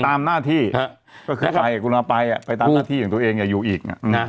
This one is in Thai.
ตามหน้าที่ก็คือใครกะรุนาไปไปตามหน้าที่ของตัวเองอย่าอยู่อีก